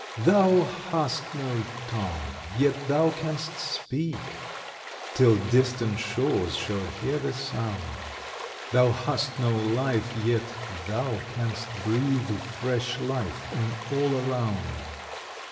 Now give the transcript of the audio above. Thou hast no tongue, yet thou canst speak, Till distant shores shall hear the sound; Thou hast no life, yet thou canst breathe Fresh life on all around.